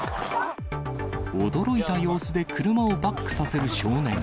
驚いた様子で車をバックさせる少年。